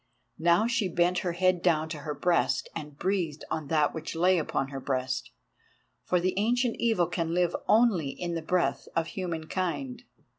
Now she bent her head down to her breast, and breathed on that which lay upon her breast, for the Ancient Evil can live only in the breath of human kind.